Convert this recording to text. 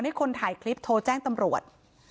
ให้คนถ่ายคลิปโทรแจ้งตำรวจ